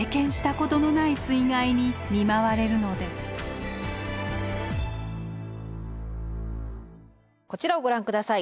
こちらをご覧下さい。